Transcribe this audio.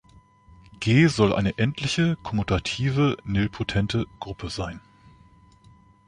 „G“ soll eine endliche kommutative, nilpotente Gruppe sein.